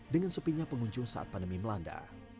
dengan sepinya pengunjung saat pandemi melanda